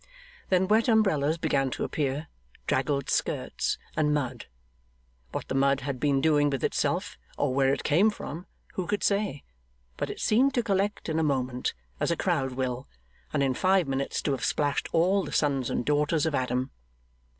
Then wet umbrellas began to appear, draggled skirts, and mud. What the mud had been doing with itself, or where it came from, who could say? But it seemed to collect in a moment, as a crowd will, and in five minutes to have splashed all the sons and daughters of Adam.